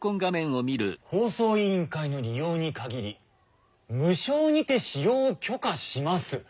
「放送委員会の利用に限り無償にて使用を許可します」。